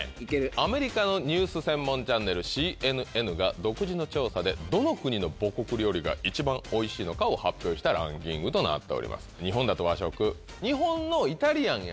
アメリカのニュース専門チャンネルＣＮＮが独自の調査でどの国の母国料理が一番おいしいのかを発表したランキングとなっております。